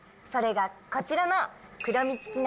それがこちらの黒みつ